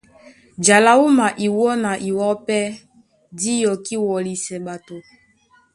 Ja lá wúma iwɔ́ na iwɔ́ pɛ́ dí yɔkí wɔlisɛ ɓato .